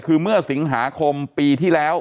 คือเมื่อสิงหาคมปีที่แล้ว